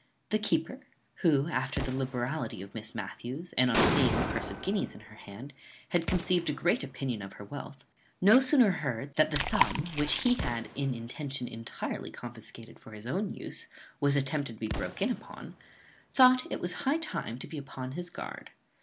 The keeper, who, after the liberality of Miss Matthews, and on seeing a purse of guineas in her hand, had conceived a great opinion of her wealth, no sooner heard that the sum which he had in intention intirely confiscated for his own use was attempted to be broke in upon, thought it high time to be upon his guard.